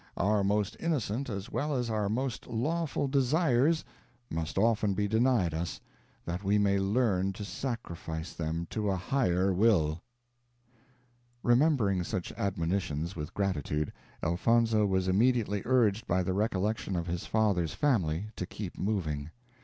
Our most innocent as well as our most lawful _desires _must often be denied us, that we may learn to sacrifice them to a Higher will." Remembering such admonitions with gratitude, Elfonzo was immediately urged by the recollection of his father's family to keep moving.